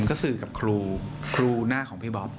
ก็สื่อกับครูครูหน้าของพี่บ๊อบ